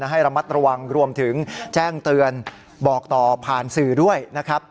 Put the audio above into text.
ให้ระมัดระวังรวมถึงแจ้งเตือนบอกต่อผ่านสื่อด้วยนะครับ